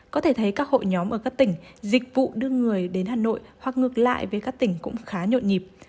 có thể thấy các hội nhóm ở các tỉnh dịch vụ đưa người đến hà nội hoặc ngược lại với các tỉnh cũng khá nhộn nhịp